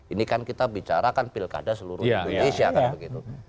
ini kan kita bicara kan pilkada seluruh indonesia kan begitu